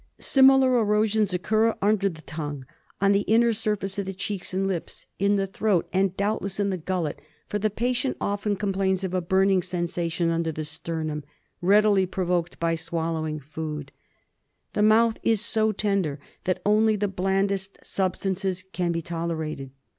Similar erosions occur under the tongue, on the inner surface of the cheeks and lips, in the throat, and doubtless in the gullet for the patient often complains of a burning sensa tion under the sternum, readily provoked by swallowing food. The mouth is so tender that only the blandest substances can be tolerated.